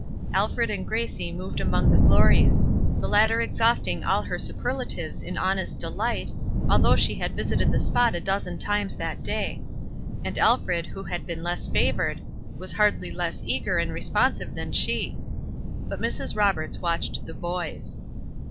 Alfred and Gracie moved among the glories; the latter exhausting all her superlatives in honest delight, although she had visited the spot a dozen times that day; and Alfred, who had been less favored, was hardly less eager and responsive than she. But Mrs. Roberts watched the boys.